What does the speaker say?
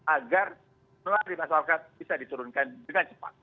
agar masyarakat bisa diturunkan dengan cepat